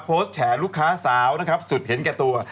โพสต์แฉลูกค้าสาวสุดเห็นแก่ตัว